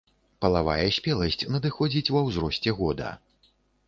Палавая спеласць надыходзіць ва ўзросце года.